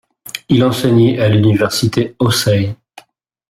Il enseignait à l'université Hōsei.